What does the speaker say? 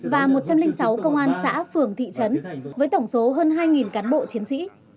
và một trăm linh sáu công an xã phường thị trấn với tổng số hơn hai cán bộ chiến sĩ